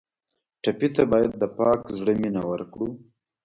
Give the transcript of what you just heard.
ټپي ته باید د پاک زړه مینه ورکړو.